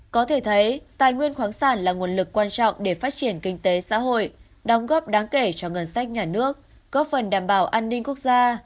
có thể thấy tài nguyên khoáng sản là nguồn lực quan trọng để phát triển kinh tế xã hội đóng góp đáng kể cho ngân sách nhà nước góp phần đảm bảo an ninh quốc gia